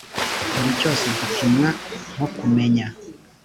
buri cyose gipimwa nko kumenya